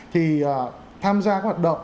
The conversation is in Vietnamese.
thì tham gia các hoạt động